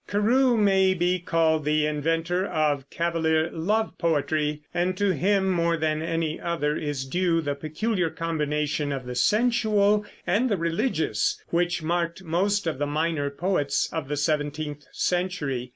Carew may be called the inventor of Cavalier love poetry, and to him, more than to any other, is due the peculiar combination of the sensual and the religious which marked most of the minor poets of the seventeenth century.